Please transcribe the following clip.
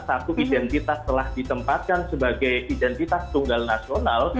satu identitas telah ditempatkan sebagai identitas tunggal nasional